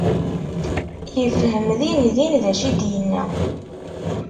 Yefhem dindin d acu i d-yenna.